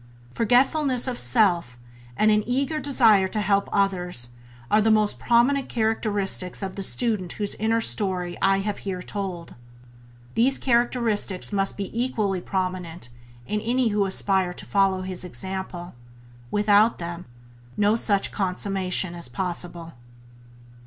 Forgetfulness of self and an eager desire to help others are the most prominent characteristics of the student whose inner story I have here told; these characteristics must be equally prominent in any who aspire to follow his example; without them no such consummation is possible.